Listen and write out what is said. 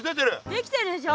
できてるでしょ？